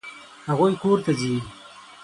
هغوی کور ته ځي.